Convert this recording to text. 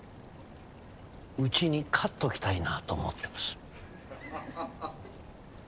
うちに飼っときたいなと思ってます。